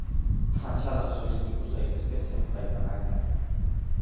Fatxadan soilik ikus daitezke zenbait apaingarri.